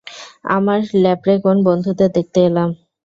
আমার ল্যাপ্রেকন বন্ধুদের দেখতে এলাম।